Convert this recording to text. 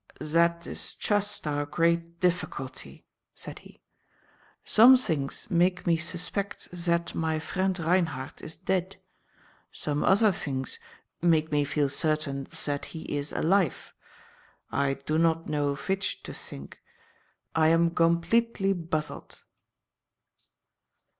"Zat is chust our great diffigulty," said he. "Zome zings make me suspect zat my friend Reinhardt is dead; zome ozzer zings make me feel certain zat he is alife. I do not know vich to zink. I am gombletely buzzled."